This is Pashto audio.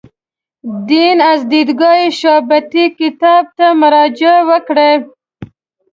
دین از دیدګاه شاطبي کتاب ته مراجعه وکړئ.